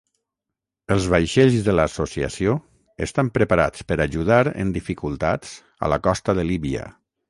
Els vaixells de l'associació estan preparats per ajudar en dificultats a la costa de Líbia.